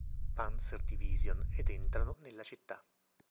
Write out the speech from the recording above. Panzer-Division ed entrarono nella città.